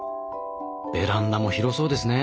ベランダも広そうですね。